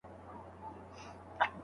تاسي په خپلو خبرو کي پوره رښتیني یاست.